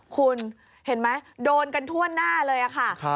คุณเห็นไหมโดนกันทั่วหน้าเลยค่ะ